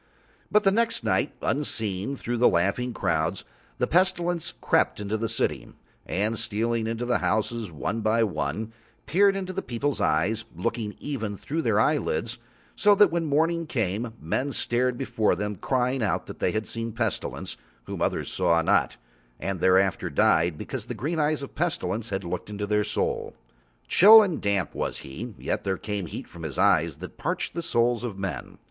But the next night, unseen, through laughing crowds, the Pestilence crept into the city, and stealing into the houses one by one, peered into the people's eyes, looking even through their eyelids, so that when morning came men stared before them crying out that they saw the Pestilence whom others saw not, and thereafter died, because the green eyes of the Pestilence had looked into their souls. Chill and damp was he, yet there came heat from his eyes that parched the souls of men.